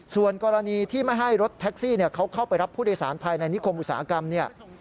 ส่วนกรณีที่ไม่ให้รถแท็กซี่เขาเข้าไปรับผู้โดยสารภายในนิคมอุตสาหกรรมเนี่ย